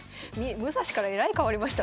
武蔵からえらい変わりましたね。